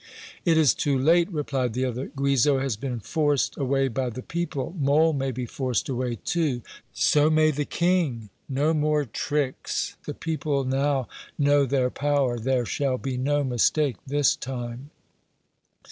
"It is too late," replied the other. "Guizot has been forced away by the people Mole may be forced away, too so may the King! No more tricks! The people now know their power. There shall be no mistake this time!"